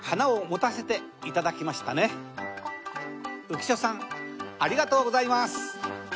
浮所さんありがとうございます。